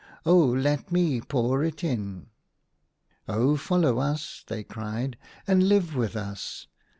Oh, let me pour it in !"" Oh, follow us," they cried, *' and live with us.